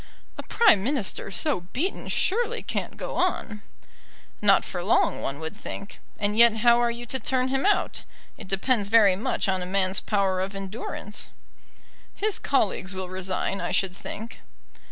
"A prime minister so beaten surely can't go on." "Not for long, one would think. And yet how are you to turn him out? It depends very much on a man's power of endurance." "His colleagues will resign, I should think."